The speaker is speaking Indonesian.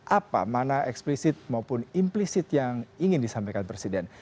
apa mana eksplisit maupun implisit yang ingin disampaikan presiden